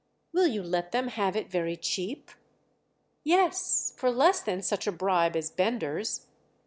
"Will you let them have it very cheap?" "Yes—for less than such a bribe as Bender's."